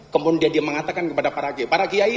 kemudian dia mengatakan kepada para kiai